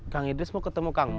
kang idris mau ketemu kang